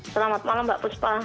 selamat malam mbak puspa